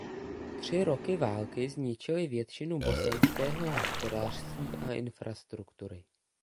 Tři roky války zničily většinu bosenského hospodářství a infrastruktury.